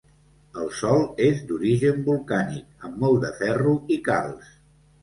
El sòl és d’origen volcànic amb molt de ferro i calç.